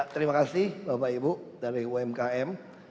terima kasih bapak ibu dari umkm